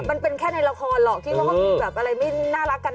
มันเป็นแค่ในละครหรอกที่ว่าเขามีแบบอะไรไม่น่ารักกัน